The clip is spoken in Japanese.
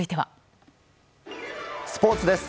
スポーツです。